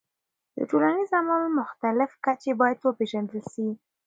د ټولنیز عمل مختلف کچې باید وپیژندل سي.